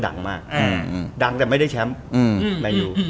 ดังมากดังแต่ไม่ได้แชมป์แมนยู